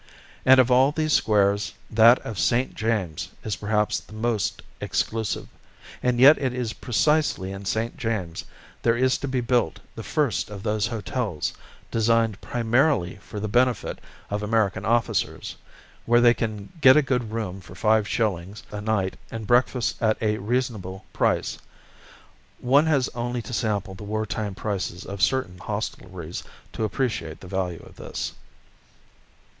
And of all these squares that of St. James's is perhaps the most exclusive, and yet it is precisely in St. James's there is to be built the first of those hotels designed primarily for the benefit of American officers, where they can get a good room for five shillings a night and breakfast at a reasonable price. One has only to sample the war time prices of certain hostelries to appreciate the value of this.